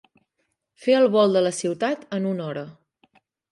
Fer el volt de la ciutat en una hora.